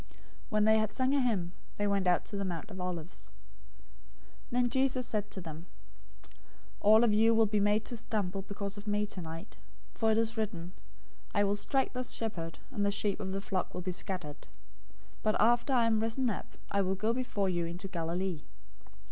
026:030 When they had sung a hymn, they went out to the Mount of Olives. 026:031 Then Jesus said to them, "All of you will be made to stumble because of me tonight, for it is written, 'I will strike the shepherd, and the sheep of the flock will be scattered.'{Zechariah 13:7} 026:032 But after I am raised up, I will go before you into Galilee."